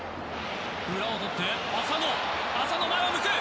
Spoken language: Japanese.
裏を取って浅野浅野が前を向く。